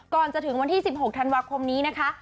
ก่อนจะถึงวันที่๑๖ธันวาคมนี้นะคะ